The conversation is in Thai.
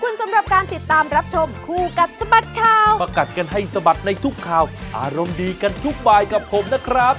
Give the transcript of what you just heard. ในทุกคราวอารมณ์ดีกันทุกบ่ายกับผมนะครับ